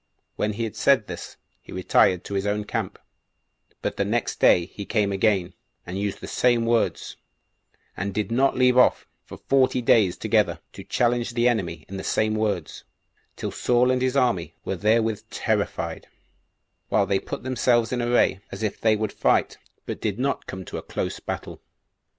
When he had said this, he retired to his own camp; but the next day he came again, and used the same words, and did not leave off for forty days together, to challenge the enemy in the same words, till Saul and his army were therewith terrified, while they put themselves in array as if they would fight, but did not come to a close battle.